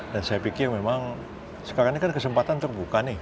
dan saya pikir memang sekarang ini kan kesempatan terbuka nih